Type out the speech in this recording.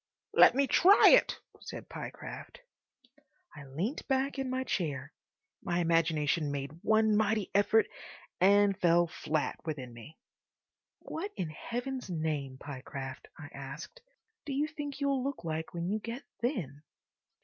"Let me try it," said Pyecraft. I leant back in my chair. My imagination made one mighty effort and fell flat within me. "What in Heaven's name, Pyecraft," I asked, "do you think you'll look like when you get thin?"